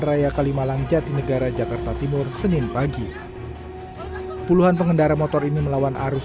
raya kalimalang jatinegara jakarta timur senin pagi puluhan pengendara motor ini melawan arus